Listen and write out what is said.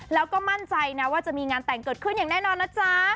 แล้วก็มั่นใจนะว่าจะมีงานแต่งเกิดขึ้นอย่างแน่นอนนะจ๊ะ